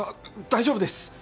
大丈夫です